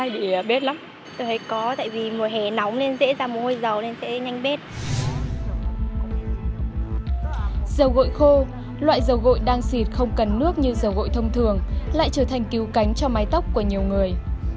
dầu gội khô loại dầu gội đang xịt không cần nước như dầu gội thông thường lại trở thành cứu cánh cho mái tóc của nhiều người